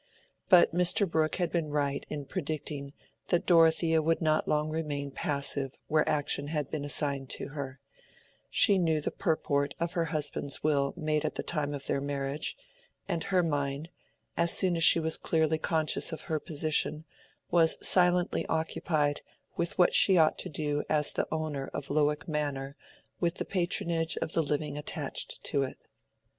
But Mr. Brooke had been right in predicting that Dorothea would not long remain passive where action had been assigned to her; she knew the purport of her husband's will made at the time of their marriage, and her mind, as soon as she was clearly conscious of her position, was silently occupied with what she ought to do as the owner of Lowick Manor with the patronage of the living attached to it.